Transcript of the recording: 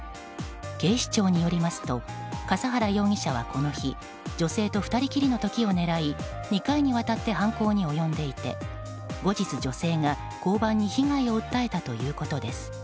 警視庁によりますと笠原容疑者はこの日女性と２人きりの時を狙い２回にわたって犯行に及んでいて、後日女性が交番に被害を訴えたということです。